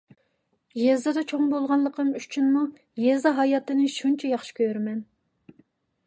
يېزىدا چوڭ بولغانلىقىم ئۈچۈنمۇ يېزا ھاياتىنى شۇنچە ياخشى كۆرىمەن.